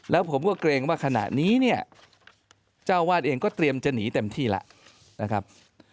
แล้วผมก็เกรงว่าขณะนี้เนี่ยเจ้าวาดเองก็เตรียมจะหนีเต็มที่แล้วนะครับ